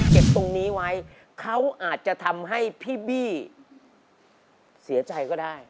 ตรงนี้ไว้เขาอาจจะทำให้พี่บี้เสียใจก็ได้